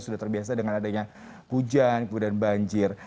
sudah terbiasa dengan adanya hujan kemudian banjir